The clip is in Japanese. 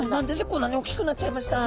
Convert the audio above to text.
こんなに「おっきくなっちゃいました」って。